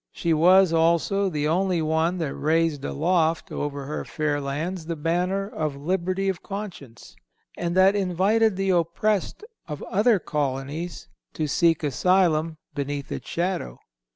She was, also, the only one that raised aloft over her fair lands the banner of liberty of conscience, and that invited the oppressed of other colonies to seek an asylum beneath its shadow.